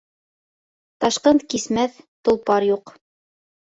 Ташҡын кисмәҫ толпар юҡ.